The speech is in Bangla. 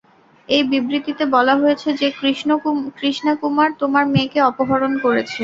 এই বিবৃতিতে বলা হয়েছে যে কৃষ্ণা কুমার তোমার মেয়েকে অপহরণ করেছে।